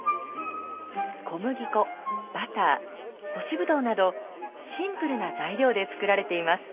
小麦粉バター干しぶどうなどシンプルな材料で作られています。